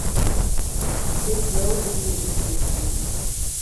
Ik bliuw dit jier yn Fryslân.